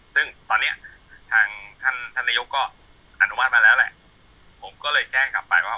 ซึ่งตอนเนี้ยทางท่านท่านนายกก็อนุมัติมาแล้วแหละผมก็เลยแจ้งกลับไปว่า